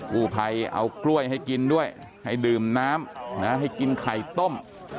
ผู้ภัยเอากล้วยให้กินด้วยให้ดื่มน้ำให้กินไข่ต้ม